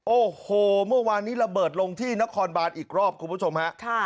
โอ้โหเมื่อวานนี้ระเบิดลงที่นครบานอีกรอบคุณผู้ชมฮะ